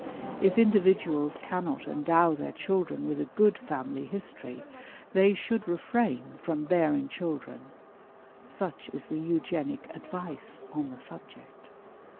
If individuals cannot endow their children with a good family history, they should refrain from bearing children such is the Eugenic advice on the subject.